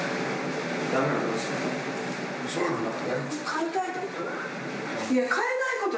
飼いたいってこと？